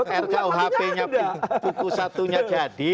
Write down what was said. nanti kalau rukuhp nya pukul satunya jadi